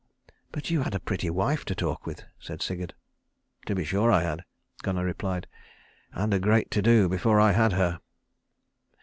"But you had a pretty wife to talk with," said Sigurd. "To be sure I had," Gunnar replied, "and a great to do before I had her."